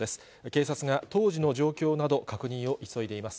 警察が当時の状況など確認を急いでいます。